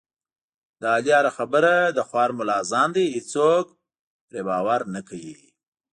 د علي هره خبره د خوار ملا اذان دی، هېڅوک پرې باور نه کوي.